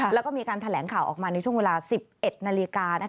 แล้วก็มีการแถลงข่าวออกมาในช่วงเวลา๑๑นาฬิกา